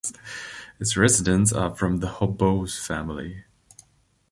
Its residents are from the Hoboos family.